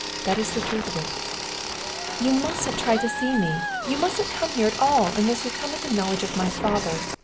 That is the truth of it." "You mustn't try to see me! You mustn't come here at all unless you come with the knowledge of my father.